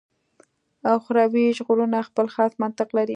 اخروي ژغورنه خپل خاص منطق لري.